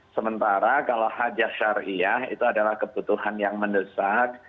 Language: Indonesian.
sementara kalau hajah syariah itu adalah kebutuhan yang mendesak